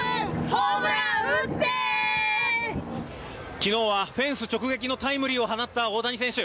昨日はフェンス直撃のタイムリーを放った大谷選手。